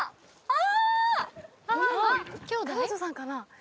あ‼